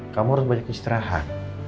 kamu harus banyak istirahat